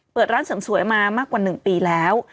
เปิดร้านเสริมสวยมามากกว่า๑ปีแล้ว